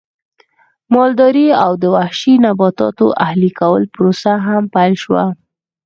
مالدارۍ او د وحشي نباتاتو اهلي کولو پروسه هم پیل شوه